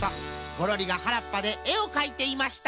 ゴロリがはらっぱでえをかいていました。